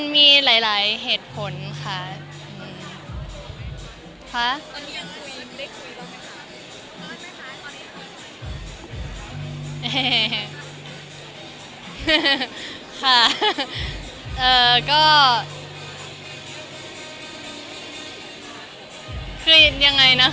พอฐานะมันเปลี่ยนความรู้สึกเราเป็นไงบ้าง